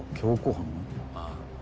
ああ。